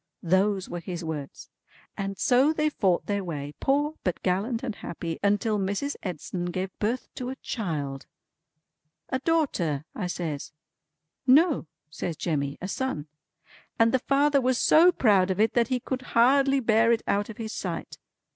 Those were his words. And so they fought their way, poor but gallant and happy, until Mrs. Edson gave birth to a child." "A daughter," I says. "No," says Jemmy, "a son. And the father was so proud of it that he could hardly bear it out of his sight.